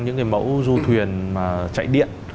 những cái mẫu du thuyền mà chạy điện